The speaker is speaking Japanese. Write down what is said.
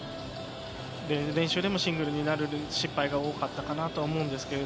練習でもシングルになる失敗が多かったと思います。